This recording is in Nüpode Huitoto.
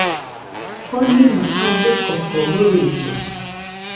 Konima abɨ koko bɨillɨ